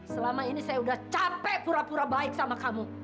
selama ini saya udah capek pura pura baik sama kamu